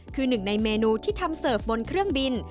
คือหนึ่งในเมนูที่ทำเสิร์ฟบนเครื่องบิน